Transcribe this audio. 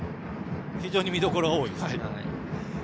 非常に見どころが多いですね。